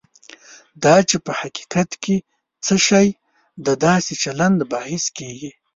دا چې په حقیقت کې څه شی د داسې چلند باعث کېږي.